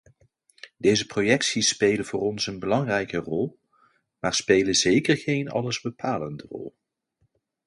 Deze projecties spelen voor ons een belangrijke rol, maar spelen zeker geen allesbepalende rol.